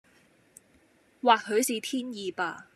或許是天意吧！